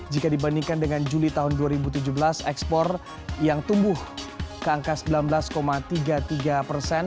jika dibandingkan dengan juli tahun dua ribu tujuh belas ekspor yang tumbuh ke angka sembilan belas tiga puluh tiga persen